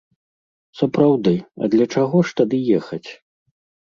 Сапраўды, а для чаго ж тады ехаць?